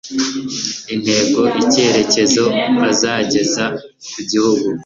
integoicyerecyezo azageza ku gihugu